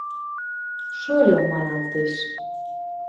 Шольо маналтеш!